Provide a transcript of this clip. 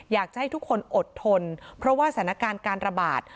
อยากจะให้ทุกคนอดทนเพราะว่าสถานการณ์การระบาด